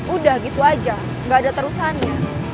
udah gitu aja nggak ada terusannya